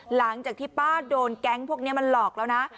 หลังจากที่ป้าโดนแก๊งพวกนี้มันหลอกแล้วนะ